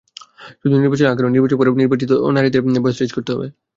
শুধু নির্বাচনের আগে নয়, নির্বাচনের পরেও নির্বাচিত নারীদের ভয়েস রেইজ করতে হবে।